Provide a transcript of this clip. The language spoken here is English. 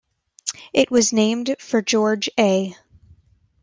It was named for George A.